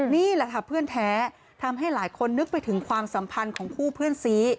นี่แหละค่ะเพื่อนแท้ทำให้หลายคนนึกไปถึงความสัมพันธ์ของคู่เพื่อนซี